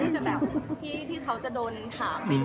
แม้ว่าคือเราอยู่ในวงการเนี้ย